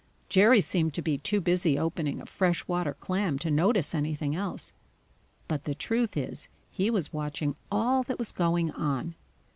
Jerry seemed to be too busy opening a fresh water clam to notice anything else; but the truth is he was watching all that was going on.